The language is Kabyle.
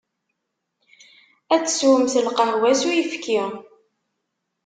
Ad teswemt lqahwa s uyefki.